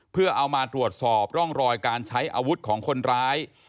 เพื่อเอามาตรวจสอบร่องรอยการใช้อาวุธของคนร้าย